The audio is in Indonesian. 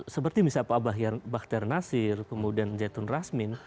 seperti misalnya pak bakhter nasir kemudian jatun rasmi